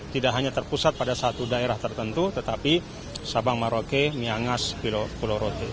tidak hanya terpusat pada satu daerah tertentu tetapi sabang maroke miangas pulau rote